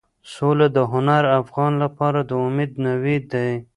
سوله د هر افغان لپاره د امید نوید دی.